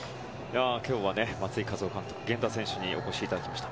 今日は松井稼頭央監督源田選手にお越しいただきました。